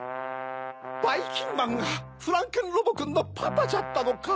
ばいきんまんがフランケンロボくんのパパじゃったのか？